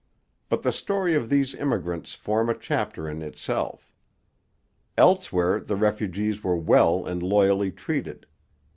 But the story of these immigrants forms a chapter in itself. Elsewhere the refugees were well and loyally treated.